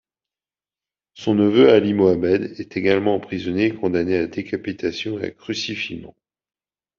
Son neveu Ali Mohammed est également emprisonné et condamné à décapitation et crucifiement.